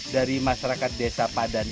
dari masyarakat desa padanilang